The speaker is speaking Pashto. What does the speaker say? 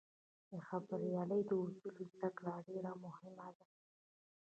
د خبریالۍ د اصولو زدهکړه ډېره مهمه ده.